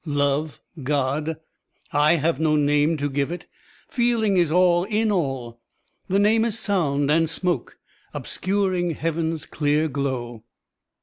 Love! God! I have no name to give it! Feeling is all in all : The name is sound and smoke, Obscuring Heaven's clear glow.